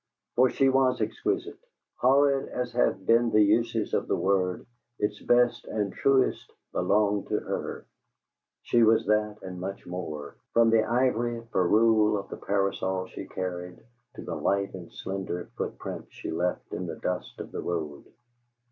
For she was exquisite horrid as have been the uses of the word, its best and truest belong to her; she was that and much more, from the ivory ferrule of the parasol she carried, to the light and slender footprint she left in the dust of the road.